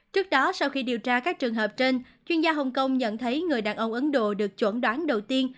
trước đó sau khi điều tra các trường hợp trên chuyên gia hồng kông nhận thấy người đàn ông ấn độ được chuẩn đoán đầu tiên